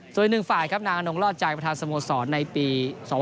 ส่วนอีกหนึ่งฝ่ายครับนางอนงลอดใจประธานสโมสรในปี๒๕๖